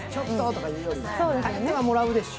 颯はもらうでしょ？